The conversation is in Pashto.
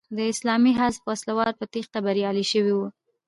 د اسلامي حزب وسله وال په تېښته بریالي شوي وو.